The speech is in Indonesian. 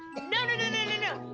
tidak tidak tidak